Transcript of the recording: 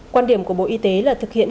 quan điểm của bộ y tế là thực hiện